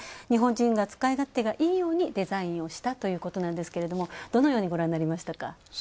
日本人が使い勝手がいいようにデザインをしたということなんですけどもどのようにご覧になりましたか？